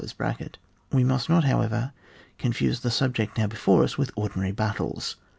We must not, however, confuse the sub ject now before us with ordinary battles.